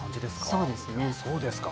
そうですか。